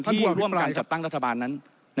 ที่ร่วมการจัดตั้งรัฐบาลนั้น